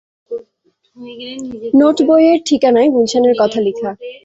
নোটবইয়ের ঠিকানায় গুলশানের কথা লেখা।